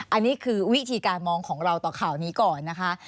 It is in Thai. อันนี้คือวิธีการมองของเราต่อข่าวนี้ก่อนนะคะ